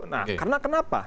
nah karena kenapa